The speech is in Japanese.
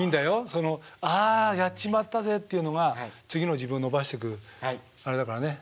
その「あやっちまったぜ」っていうのが次の自分伸ばしてくあれだからねエネルギーになるからね。